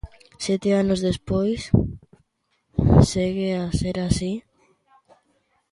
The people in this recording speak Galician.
Sete anos despois, segue a ser así?